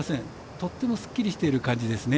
とってもすっきりしている感じですね。